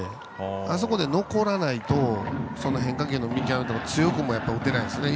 あそこで残らないとその変化球の見極めとか強く打てませんね。